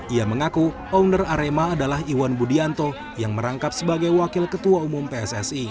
ia mengaku owner arema adalah iwan budianto yang merangkap sebagai wakil ketua umum pssi